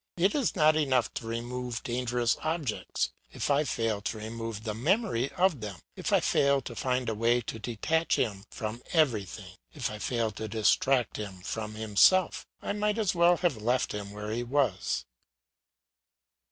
It is not enough to remove dangerous objects; if I fail to remove the memory of them, if I fail to find a way to detach him from everything, if I fail to distract him from himself, I might as well have left him where he was.